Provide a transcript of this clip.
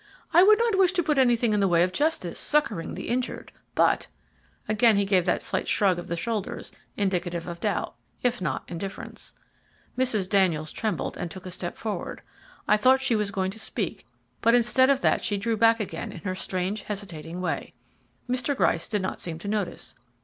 I would not wish to put anything in the way of justice succoring the injured. But " again he gave that slight shrug of the shoulders, indicative of doubt, if not indifference. Mrs. Daniels trembled, and took a step forward. I thought she was going to speak, but instead of that she drew back again in her strange hesitating way. Mr. Gryce did not seem to notice.